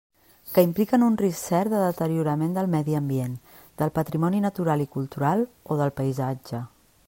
Que impliquen un risc cert de deteriorament del medi ambient, del patrimoni natural i cultural o del paisatge.